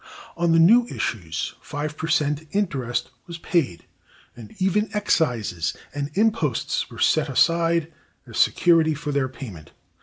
On the new issues five per cent interest was paid, and even excises and imposts were set aside as security for their payment.